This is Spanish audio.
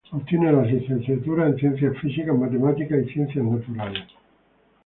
Obtiene las licenciaturas en ciencias físicas, matemáticas y ciencias naturales.